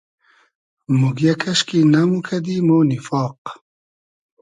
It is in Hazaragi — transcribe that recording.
موگیۂ کئشکی نئموکئدی مۉ نیفاق